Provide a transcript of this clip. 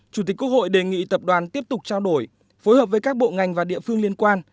chủ tịch quốc hội đề nghị tập đoàn tiếp tục trao đổi phối hợp với các bộ ngành và địa phương liên quan